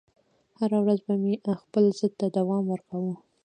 هره ورځ به مې خپل ضد ته دوام ورکاوه